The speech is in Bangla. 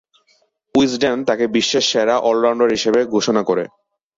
উইজডেন তাকে বিশ্বের সেরা অল-রাউন্ডার হিসেবে ঘোষণা করে।